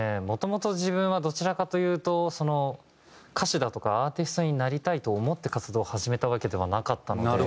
もともと自分はどちらかというと歌手だとかアーティストになりたいと思って活動を始めたわけではなかったので。